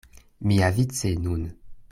Miavice nun!